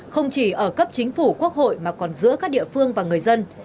không chỉ ở cấp chính phủ quốc hội mà còn giữa các địa phương và người dân